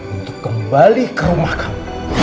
untuk kembali ke rumah kami